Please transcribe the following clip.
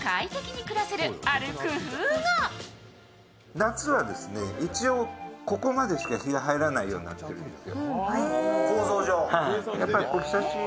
夏はですね、一応、ここまでしか日が入らないようになっているんですよ。